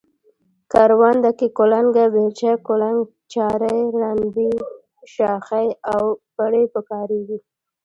کرونده کې کلنگه، بیلچه، کولنگ، چارۍ، رنبی، شاخۍ او پړی په کاریږي.